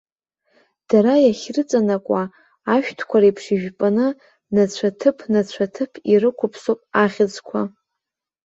Дара иахьрыҵанакуа, ашәҭқәа реиԥш ижәпаны, нацәаҭыԥнацәаҭыԥ ирықәԥсоуп ахьӡқәа.